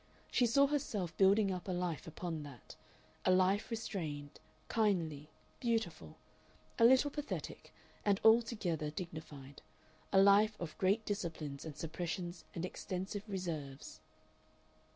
She saw herself building up a life upon that a life restrained, kindly, beautiful, a little pathetic and altogether dignified; a life of great disciplines and suppressions and extensive reserves...